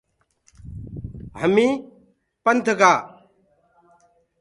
همي پنڌ گآ۔